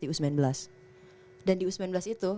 di u sembilan belas dan di u sembilan belas itu